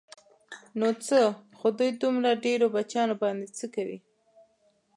نو څه خو دوی دومره ډېرو بچیانو باندې څه کوي.